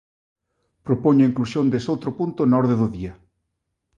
Propoño a inclusión desoutro punto na orde do día.